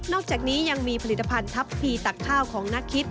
อกจากนี้ยังมีผลิตภัณฑ์ทัพพีตักข้าวของนักคิด